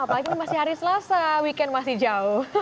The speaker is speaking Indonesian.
apalagi ini masih hari selasa weekend masih jauh